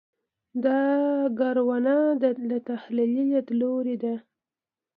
دا ګورنه له تحلیلي لیدلوري ده.